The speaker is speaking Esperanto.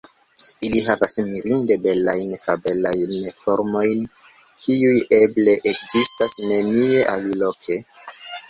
Ili havas mirinde belajn, fabelajn formojn, kiuj eble ekzistas nenie aliloke.